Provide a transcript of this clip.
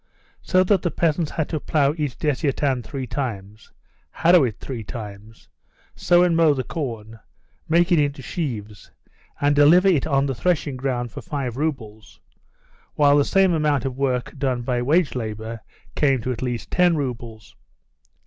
So that the peasants had to plough each desiatin three times, harrow it three times, sow and mow the corn, make it into sheaves, and deliver it on the threshing ground for five roubles, while the same amount of work done by wage labour came to at least 10 roubles.